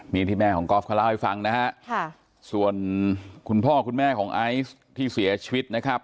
นี่ที่แม่ของกอล์ฟเขาเล่าให้ฟังนะฮะส่วนคุณพ่อคุณแม่ของไอซ์ที่เสียชีวิตนะครับ